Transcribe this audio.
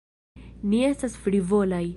Ni estas frivolaj.